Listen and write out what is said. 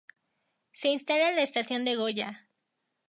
Se instala la estación de Goya.